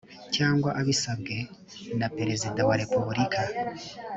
cyangwa abisabwe na perezida wa repubulika